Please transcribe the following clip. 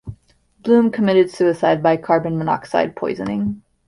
Bloom committed suicide by carbon monoxide poisoning.